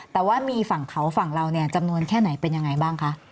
แต่ว่ามีฝั่งเขาฝั่งเราเนี่ยจำนวนแค่ไหนเป็นยังไงบ้างคะ